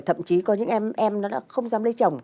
thậm chí có những em nó đã không dám lấy chồng